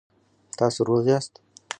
تاسو روغ یاست؟